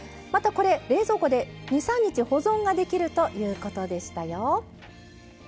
またこれ冷蔵庫で２３日保存ができるということでしたよ。